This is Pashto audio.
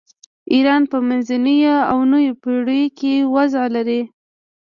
ایران په منځنیو او نویو پیړیو کې اوضاع لري.